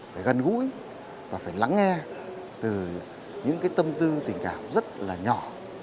phải gần gũi và phải lắng nghe từ những cái tâm tư tình cảm rất là nhỏ